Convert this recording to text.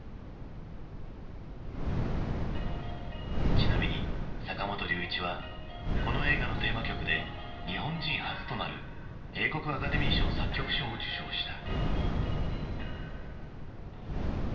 ちなみに坂本龍一はこの映画のテーマ曲で日本人初となる英国アカデミー賞作曲賞を受賞した。